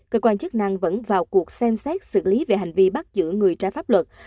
cơ quan chức năng vẫn vào cuộc xem xét xử lý về hành vi bắt giữ người trái pháp luật